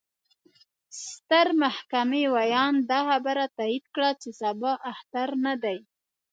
ستر محكمې وياند: دا خبره تايد کړه، چې سبا اختر نه دې.